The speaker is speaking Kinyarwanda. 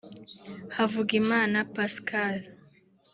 Havugimana Pascal